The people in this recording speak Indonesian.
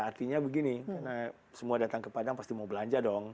artinya begini karena semua datang ke padang pasti mau belanja dong